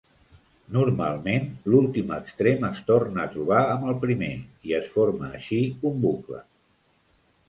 Normalment, l'últim extrem es torna a trobar amb el primer i es forma així un bucle.